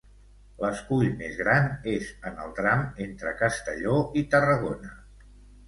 L'escull més gran és en el tram entre Castelló i Tarragona.